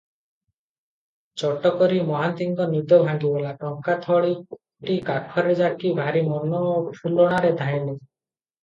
ଚଟକରି ମହାନ୍ତିଙ୍କ ନିଦ ଭାଙ୍ଗିଗଲା, ଟଙ୍କା ଥଳିଟି କାଖରେ ଯାକି ଭାରି ମନ ଫୁଲଣାରେ ଧାଇଁଲେ ।